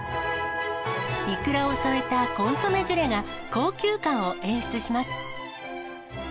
いくらを添えたコンソメジュレが高級感を演出します。